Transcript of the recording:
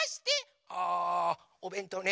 あおべんとうね。